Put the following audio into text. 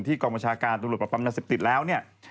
ที่กรมชาการธุรกรปรับปรับยาเสพติดแล้ว